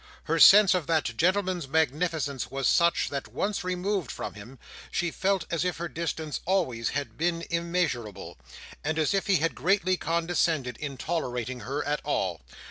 Her sense of that gentleman's magnificence was such, that once removed from him, she felt as if her distance always had been immeasurable, and as if he had greatly condescended in tolerating her at all.